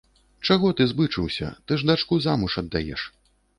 Чаго ты збычыўся, ты ж дачку замуж аддаеш.